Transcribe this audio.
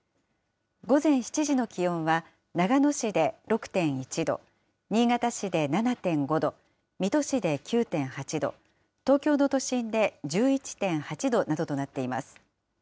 午前７時の気温は長野市で６．１度、新潟市で７．５度、水戸市で９．８度、東京の都心で１１．８度などとなっています。